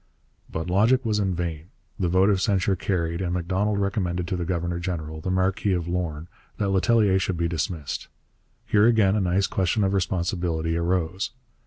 But logic was in vain. The vote of censure carried, and Macdonald recommended to the governor general, the Marquis of Lorne, that Letellier should be dismissed. Here again a nice question of responsibility arose.